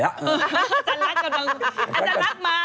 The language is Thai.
อาจารย์ลักษณ์กำลังอาจารย์ลักษณ์มาแล้ว